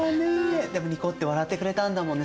でもニコッて笑ってくれたんだもんね